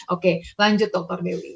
oke lanjut dokter dewi